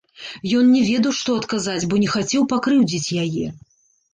Ён не ведаў, што адказаць, бо не хацеў пакрыўдзіць яе.